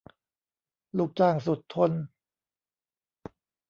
ลูกจ้างสุดทน